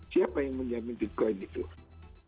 siapa yang menjamin bitcoin itu